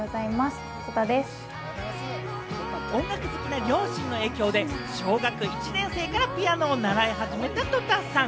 音楽好きな両親の影響で小学１年生からピアノを習い始めた、とたさん。